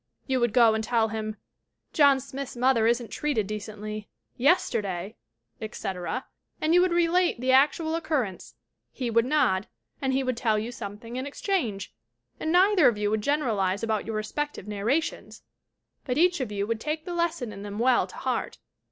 You would go and tell him: "John Smith's mother isn't treated de cently. Yesterday," etc., and you would relate the actual occurrence. He would nod. And he would tell you something in exchange. And neither of you would generalize about your respective narrations, but each of you would take the lesson in them well to heart.